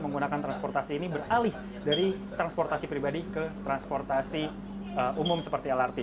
menggunakan transportasi ini beralih dari transportasi pribadi ke transportasi umum seperti lrt